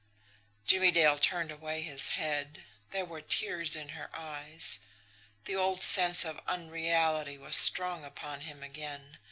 Jimmie Dale turned away his head. There were tears in her eyes. The old sense of unreality was strong upon him again.